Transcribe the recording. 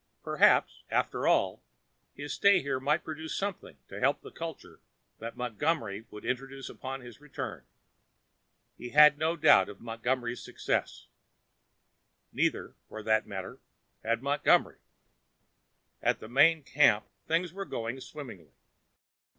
Perhaps, after all, his stay here might produce something to help the culture that Montgomery would introduce upon his return. He had no doubt of Montgomery's success. Neither, for that matter, had Montgomery. At the main camp, things were going swimmingly.